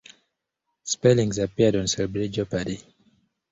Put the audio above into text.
Spellings appeared on Celebrity Jeopardy!